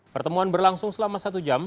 pertemuan berlangsung selama satu jam